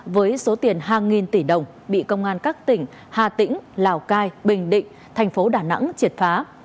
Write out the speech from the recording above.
với số tiền hàng nghìn tỷ đồng bị công an các tỉnh hà tĩnh lào cai bình định thành phố đà nẵng triệt phá